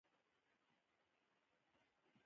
چین د نړۍ تر ټولو ډېر نفوس اقتصاد لري.